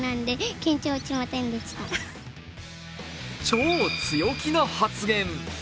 超強気な発言。